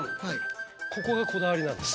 ここがこだわりなんです。